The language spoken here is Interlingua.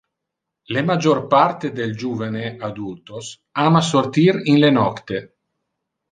Le major parte del juvene adultos ama sortir in le nocte.